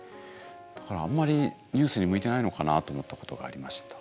だからあんまりニュースに向いてないのかなと思ったことがありました。